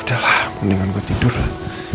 udah lah mendingan gue tidur lah